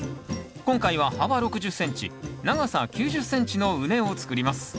今回は幅６０ｃｍ長さ９０ｃｍの畝を作ります。